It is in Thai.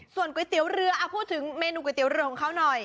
ส่วนก๋วยเตี๋ยวเรือพูดถึงเมนูก๋วยเตี๋ยวเรือของเขาหน่อย